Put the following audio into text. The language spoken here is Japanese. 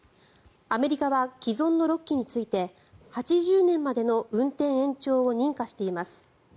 アメリカは既存の６基について８０年までの運転延長を認可しています。